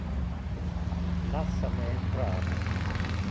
Lassa me entrar.